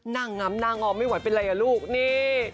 นั่งน้ำนางออมไม่ไหวเป็นไรล่ะลูกนี่